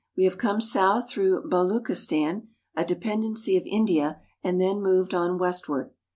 We have come south through Baluchistan (ba loo chi stan'), a dependency of India, and then moved on westward.